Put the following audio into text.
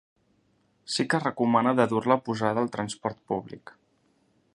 Sí que recomana de dur-la posada al transport públic.